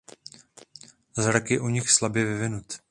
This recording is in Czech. Zrak je u nich slabě vyvinut.